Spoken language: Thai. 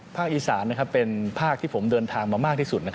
อีสานเป็นภาคที่ผมเดินทางมามากที่สุด